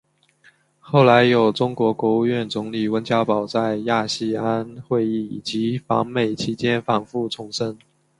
后来有中国国务院总理温家宝在亚细安会议以及访美期间反复重申。